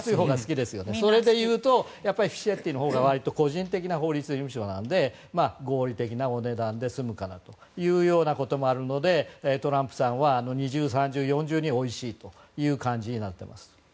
それでいうとフィシェッティのほうが割と個人的な法律事務所なので合理的なお値段で済むかなというようなこともあるのでトランプさんは二重、三重、四重においしいと思います。